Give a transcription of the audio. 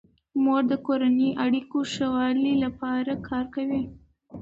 مور د کورنیو اړیکو ښه والي لپاره کار کوي.